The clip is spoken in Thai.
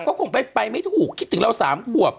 ก็คงไปไม่ถูกคิดถึงเรา๓ขวบ